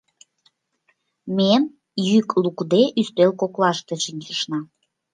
Ме йӱк лукде ӱстел коклаште шинчышна.